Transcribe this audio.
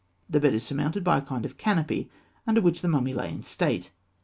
] The bed is surmounted by a kind of canopy, under which the mummy lay in state.